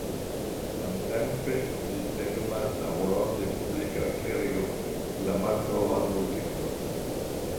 Samtempe li plenumas la rolon de publika klerigo pri la malnova muziko.